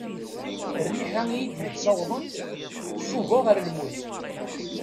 Rriḥa iyi-d-yettawḍen tcuba ɣer lmut.